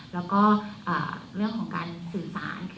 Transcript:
แล้วก็เรื่องของการสื่อสาร